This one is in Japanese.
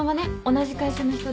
同じ会社の人で。